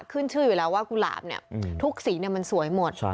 ขึ้นชื่ออยู่แล้วว่ากุหลาบทุกสีมันสวยหมด